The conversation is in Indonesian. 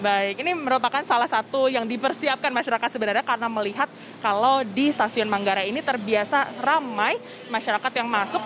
baik ini merupakan salah satu yang dipersiapkan masyarakat sebenarnya karena melihat kalau di stasiun manggarai ini terbiasa ramai masyarakat yang masuk